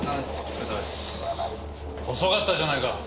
遅かったじゃないか。